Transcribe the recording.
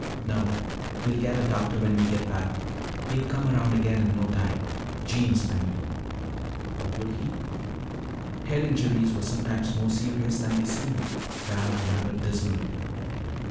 "No. We'll get a doctor when we get back. He'll come around again in no time Jeems, I mean." But would he? Head injuries were sometimes more serious than they seemed, Val remembered dismally.